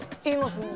言います。